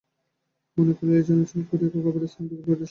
মনে করিল, এ যেন ছল করিয়া খোকাবাবুর স্থান অধিকার করিতে আসিয়াছে।